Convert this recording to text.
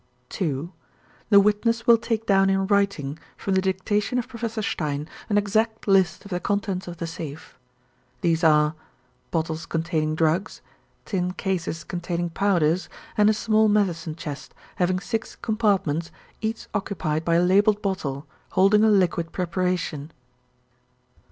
"'(2) The witness will take down in writing, from the dictation of Professor Stein, an exact list of the contents of the safe. These are: Bottles containing drugs, tin cases containing powders, and a small medicine chest, having six compartments, each occupied by a labeled bottle, holding a liquid preparation.